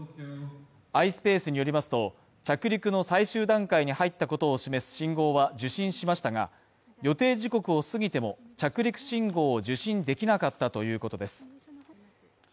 ｉｓｐａｃｅによりますと、着陸の最終段階に入ったことを示す信号は受信しましたが、予定時刻を過ぎても、着陸信号を受信できなかったということです。